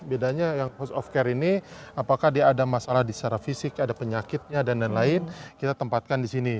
bedanya yang post of care ini apakah dia ada masalah secara fisik ada penyakitnya dan lain lain kita tempatkan di sini